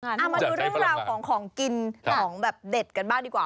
เอามาดูเรื่องราวของของกินของแบบเด็ดกันบ้างดีกว่า